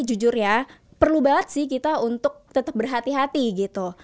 jujur ya perlu banget sih kita untuk tetap berhati hati gitu